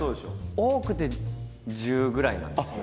多くて１０ぐらいなんですよ。